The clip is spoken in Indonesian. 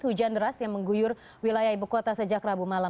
hujan deras yang mengguyur wilayah ibu kota sejak rabu malam